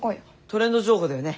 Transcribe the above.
トレンド情報だよね。